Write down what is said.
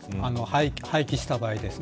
廃棄した場合ですね